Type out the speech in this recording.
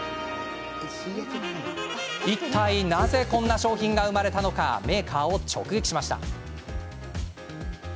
いったいなぜこんな商品が生まれたのかメーカーを直撃しました。